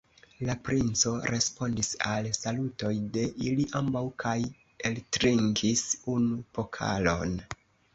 La princo respondis al salutoj de ili ambaŭ kaj eltrinkis unu pokalon.